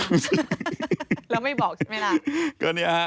แล้วไม่บอกใช่ไหมล่ะ